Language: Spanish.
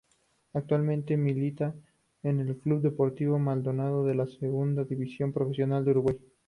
Actualmente milita en el Club Deportivo Maldonado de la Segunda División Profesional de Uruguay.